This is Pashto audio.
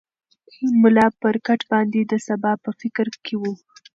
ملا پر کټ باندې د سبا په فکر کې و.